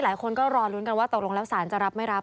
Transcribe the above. หลายคนก็รอลุ้นกันว่าตกลงแล้วสารจะรับไม่รับ